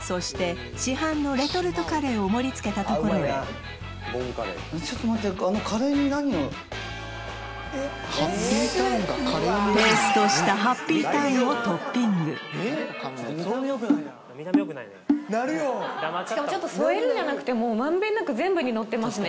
そして市販のレトルトカレーを盛り付けたところへちょっと待てしかもちょっと添えるんじゃなくてもう満遍なく全部にのってますね